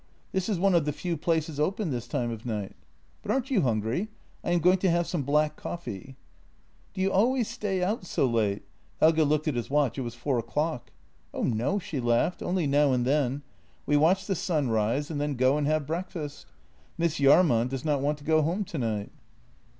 This is one of the few places open this time of night. But aren't you hungry? I am going to have some black coffee." "Do you always stay out so late?" Helge looked at his watch; it was four o'clock. " Oh no," she laughed. " Only now and then. We watch the sun rise and then go and have breakfast. Miss Jahrman does not want to go home tonight."